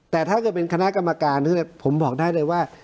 แต่ถ้าเกิดเป็นคณะกรรมการผมบอกได้เลยว่า